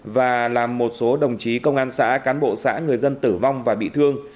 và làm một số đồng chí công an xã cán bộ xã người dân tử vong và bị thương